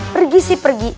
pergi sih pergi